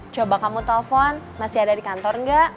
coba kamu telfon masih ada di kantor enggak